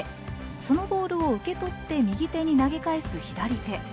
そのボールを受け取って右手に投げ返す左手。